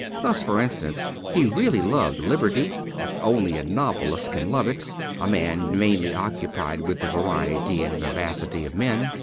Thus, for instance, he really loved liberty, as only a novelist can love it, a man mainly occupied with the variety and vivacity of men.